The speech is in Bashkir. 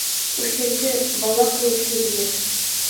— Үҫенте бала кеүек һиҙгер.